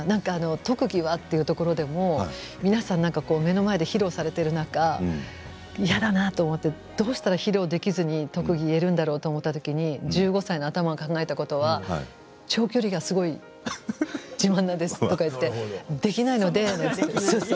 特技はというところでも皆さん目の前で披露されている中嫌だなと思って、どうしたら披露できずに特技を言えるんだろうと思ったときに１５歳が頭が考えたことは長距離がすごく自慢ですとか言ってできないので。